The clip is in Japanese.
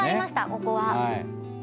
ここは。